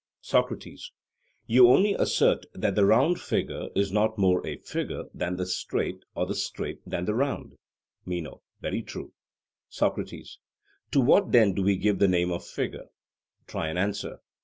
SOCRATES: You only assert that the round figure is not more a figure than the straight, or the straight than the round? MENO: Very true. SOCRATES: To what then do we give the name of figure? Try and answer.